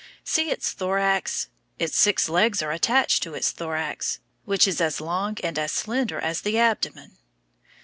See its thorax. Its six legs are attached to its thorax, which is as long and as slender as the abdomen.